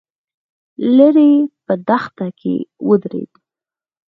ليرې په دښته کې ودرېد.